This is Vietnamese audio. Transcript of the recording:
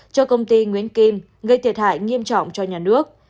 cho công ty nguyễn kim gây thiệt hại nghiêm trọng cho nhà nước